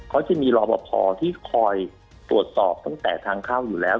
เขาจะมีรอปภที่คอยตรวจสอบตั้งแต่ทางเข้าอยู่แล้ว